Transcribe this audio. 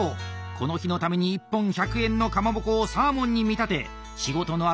この日のために１本１００円のかまぼこをサーモンに見立て仕事の